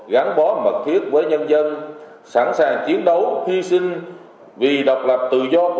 gắn bó mật thiết